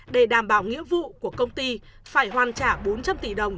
để đảm bảo nghĩa vụ của công ty phải hoàn trả bốn trăm linh tỷ đồng